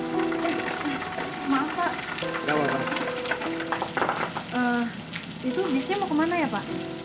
sampai jumpa di video selanjutnya